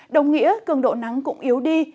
đồng nghĩa cường độ nắng cũng yếu đi